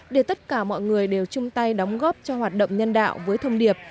để tất cả mọi người đều chung tay đóng góp cho hoạt động nhân đạo với thông điệp